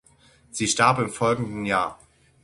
Sie starb im folgenden Jahr.